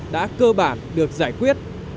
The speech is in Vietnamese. đã cơ bản được giải quyết